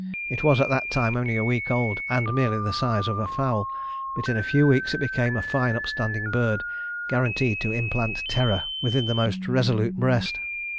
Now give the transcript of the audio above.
It was at that time only a week old, and merely the size of a fowl, but in a few weeks it became a fine upstanding bird, guaranteed to implant terror within the most resolute breast.